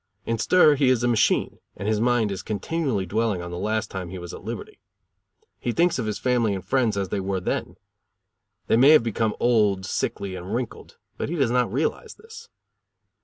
In stir he is a machine, and his mind is continually dwelling on the last time he was at liberty; he thinks of his family and friends as they were then. They may have become old, sickly and wrinkled, but he does not realize this.